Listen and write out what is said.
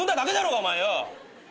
お前よ。